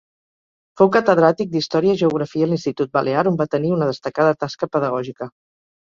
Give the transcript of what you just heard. Fou catedràtic d'Història i Geografia a l'Institut Balear, on va tenir una destacada tasca pedagògica.